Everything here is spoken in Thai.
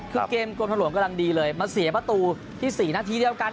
คือเกมกรมทางหลวงกำลังดีเลยมาเสียประตูที่๔นาทีเดียวกัน